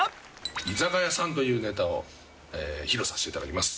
「居酒屋さん」というネタを披露させていただきます